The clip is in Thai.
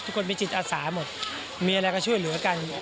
คนมีจิตอาสาหมดมีอะไรก็ช่วยเหลือกัน